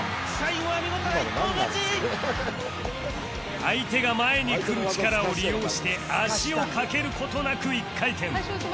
相手が前に来る力を利用して足を掛ける事なく１回転